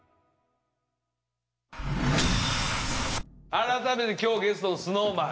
改めて今日ゲストのＳｎｏｗＭａｎ。